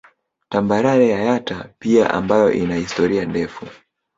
Tambarare ya Yatta pia ambayo ina historia ndefu